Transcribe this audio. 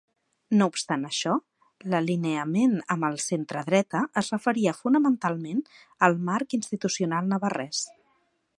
No obstant això, l'alineament amb el centredreta es referia fonamentalment al marc institucional navarrès.